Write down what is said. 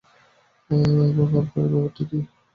এবং আপনার ব্যাপারটি কী?